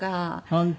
本当。